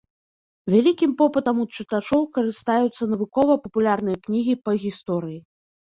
Вялікім попытам у чытачоў карыстаюцца навукова-папулярныя кнігі па гісторыі.